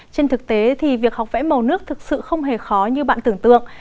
trên thực tế thì việc học vẽ màu nước thực sự không hề khó như bạn tưởng tượng